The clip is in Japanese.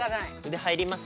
腕入ります？